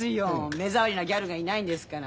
目障りなギャルがいないんですから。